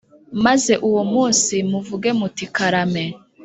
maze uwo munsi muvuge muti karame